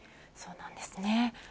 そうなんですね。